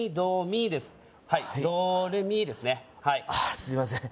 すいません